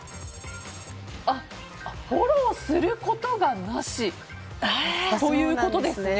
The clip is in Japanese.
フォローすることがなしだそうなんですね。